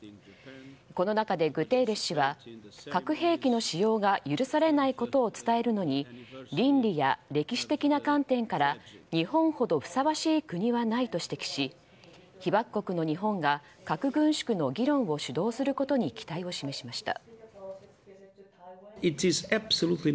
この中でグテーレス氏は核兵器の使用が許されないことを伝えるのに倫理や歴史的な観点から日本ほどふさわしい国はないと指摘し被爆国の日本が核軍縮の議論を主導することに期待を示しました。